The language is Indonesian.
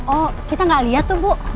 oh kita gak lihat tuh bu